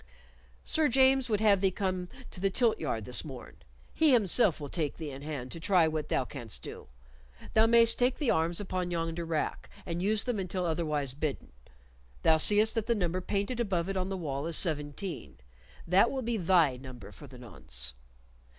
"Sir James would have thee come to the tilt yard this morn; he himself will take thee in hand to try what thou canst do. Thou mayst take the arms upon yonder rack, and use them until otherwise bidden. Thou seest that the number painted above it on the wall is seventeen; that will be thy number for the nonce."